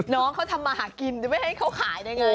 น้องเขาทำมาหากินจะไม่ให้เขาขายได้ไง